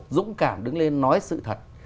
dũng cảm đứng lên nói sự thật